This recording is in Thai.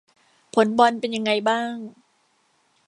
ผลบอลเป็นยังไงบ้าง